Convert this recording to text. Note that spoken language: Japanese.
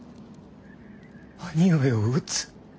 兄上を討つ。